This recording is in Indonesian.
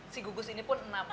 si gugus ini pun enam puluh